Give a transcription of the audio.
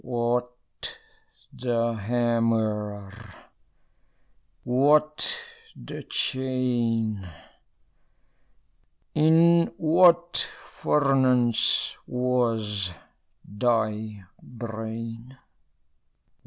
What the hammer? what the chain? In what furnace was thy brain?